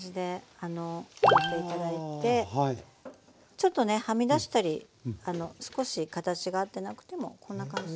ちょっとねはみ出したり少し形が合ってなくてもこんな感じ。